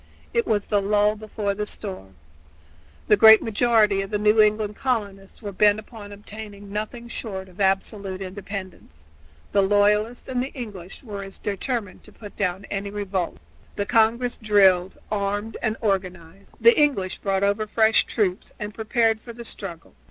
It was the lull before the storm. The great majority of the New England colonists were bent upon obtaining nothing short of absolute independence; the loyalists and the English were as determined to put down any revolt by force. The Congress drilled, armed, and organized; the English brought over fresh troops and prepared for the struggle.